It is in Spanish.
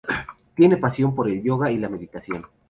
Tiene pasión por el yoga y la meditación.